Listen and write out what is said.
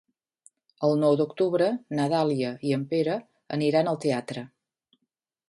El nou d'octubre na Dàlia i en Pere aniran al teatre.